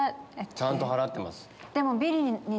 ちゃんと払ってます。